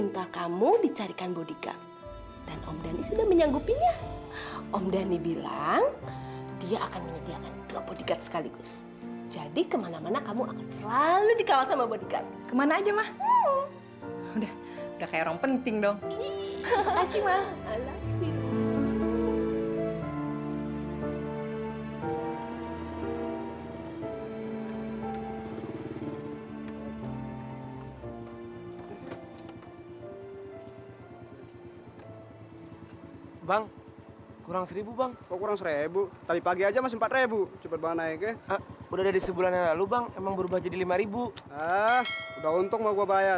pak alam kalau gak ngojek bagaimana